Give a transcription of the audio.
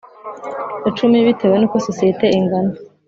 icumi bitewe n uko sosiyete ingana